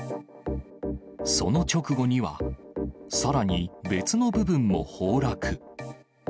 その直後には、さらに別の部分も崩落。